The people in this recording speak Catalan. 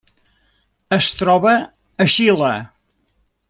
Es troba a Xile.